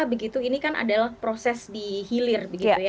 begitu ini kan adalah proses dihilir